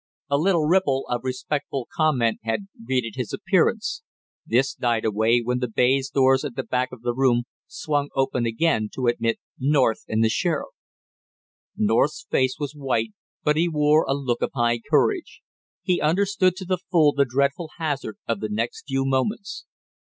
A little ripple of respectful comment had greeted his appearance; this died away when the baize doors at the back of the room swung open again to admit North and the sheriff. North's face was white, but he wore a look of high courage. He understood to the full the dreadful hazard of the next few moments.